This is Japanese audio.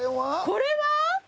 これは？